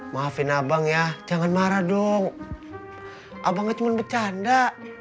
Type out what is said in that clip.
maafin abang ya jangan marah dong abangnya cuma bercanda